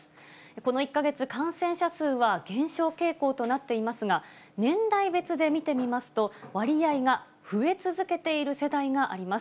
この１か月、感染者数は減少傾向となっていますが、年代別で見てみますと、割合が増え続けている世代があります。